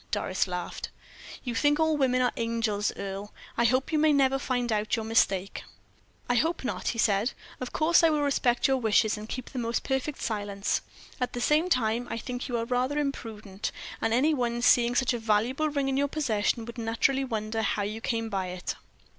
Doris laughed. "You think all women are angels, Earle. I hope you may never find out your mistake." "I hope not," he said. "Of course I will respect your wishes, and keep the most perfect silence. At the same time, I think you are rather imprudent; and any one, seeing such a valuable ring in your possession, would naturally wonder how you came by it."